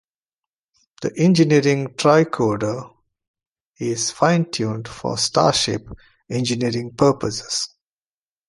The engineering tricorder is fine-tuned for starship engineering purposes.